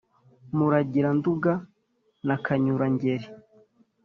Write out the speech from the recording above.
Muragira-nduga na Kanyura-ngeri